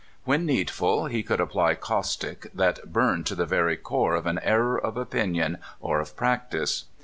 When needful, he could apply caustic that burned to the very core of an error of opinion or of practice.